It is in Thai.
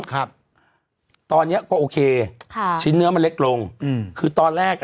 ครับตอนเนี้ยก็โอเคค่ะชิ้นเนื้อมันเล็กลงอืมคือตอนแรกอ่ะ